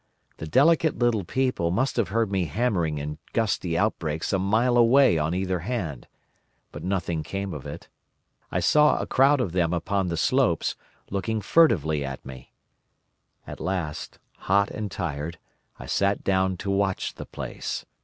The delicate little people must have heard me hammering in gusty outbreaks a mile away on either hand, but nothing came of it. I saw a crowd of them upon the slopes, looking furtively at me. At last, hot and tired, I sat down to watch the place.